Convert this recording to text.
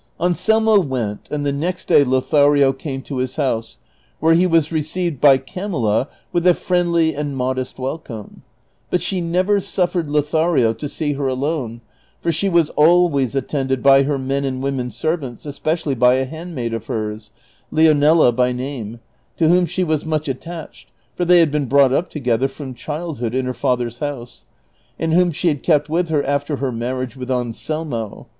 Anselmo went, and the next day Lothario came to his house, where he was received by Camilla with a friendly and modest wel come ; but she never suffered Lothario to see her alone, for she was always attended by her men and women servants, especially by a handmaid of hers, Leonela by name, to whom she was much attached (for they had been brought up together from childhood in her father's house), and whom she had kept with her after her marriage with Anselmo.